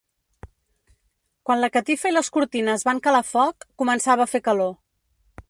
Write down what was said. Quan la catifa i les cortines van calar foc, començava a fer calor.